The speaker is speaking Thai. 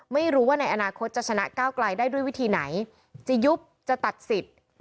ไม่รู้ว่าในอนาคตจะชนะก้าวไกลได้ด้วยวิธีไหนจะยุบจะตัดสิทธิ์